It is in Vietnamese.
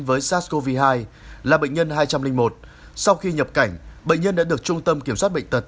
với sars cov hai là bệnh nhân hai trăm linh một sau khi nhập cảnh bệnh nhân đã được trung tâm kiểm soát bệnh tật